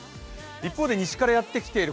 一方で西からやってきている